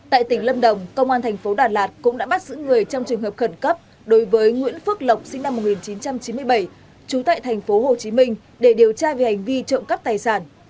tại tỉnh lâm đồng công an thành phố đà lạt cũng đã bắt giữ người trong trường hợp khẩn cấp đối với nguyễn phước lộc sinh năm một nghìn chín trăm chín mươi bảy trú tại tp hcm để điều tra về hành vi trộm cắp tài sản